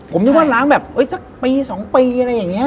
ผมนึกว่าล้างแบบเชื้อปีสองปีอะไรอย่างเนี่ย